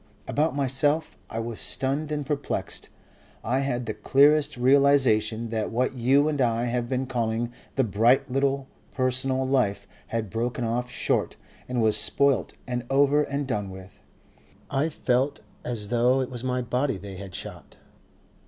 About myself, I was stunned and perplexed. I had the clearest realization that what you and I have been calling the bright little personal life had broken off short and was spoilt and over and done with. I felt as though it was my body they had shot.